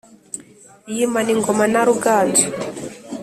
Yimana ingoma na Ruganzu